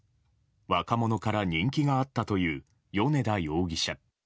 若者から人気があったという米田容疑者。